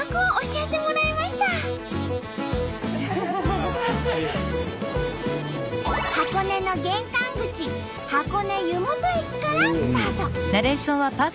箱根を愛する箱根の玄関口箱根湯本駅からスタート！